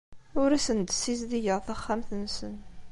Ur asen-d-ssizdigeɣ taxxamt-nsen.